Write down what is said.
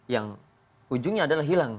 yang ujungnya adalah hilang